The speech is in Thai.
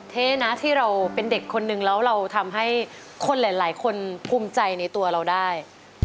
เท่นะที่เราเป็นเด็กคนนึงแล้วเราทำให้คนหลายคนภูมิใจในตัวเราได้